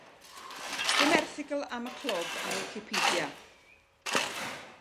'S dim erthygl am y clwb ar Wicipedia.